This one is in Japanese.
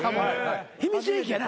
秘密兵器やな？